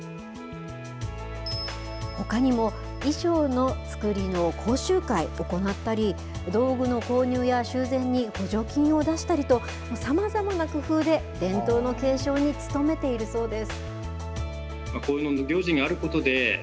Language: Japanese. ほかにも衣装の作りの講習会、行ったり、道具の購入や修繕に補助金を出したりと、さまざまな工夫で伝統の継承に努めているそうです。